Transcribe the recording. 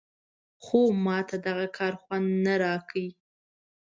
خو ماته دغه کار خوند نه راکړ.